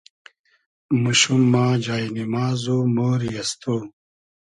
موشوم ما جای نیماز و مۉری از تو